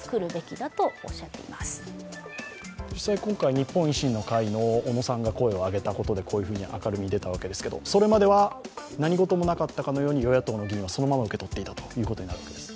日本維新の会の小野さんが声を上げたことで明るみになったわけですがそれまでは、何事もなかったかのように与野党の議員はそのまま受け取っていたということになるわけですか。